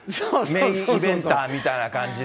メインイベンターみたいな感じで。